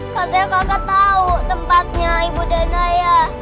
katanya kakak tau tempatnya ibu dan ayah